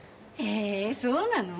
えそうなの？